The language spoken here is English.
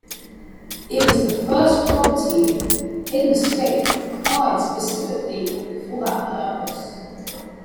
It was the first property in the state acquired specifically for that purpose.